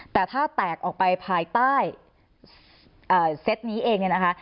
แต่ถ้าแตกออกไปภายใต้เซตนี้เองเนี่ยนะคะ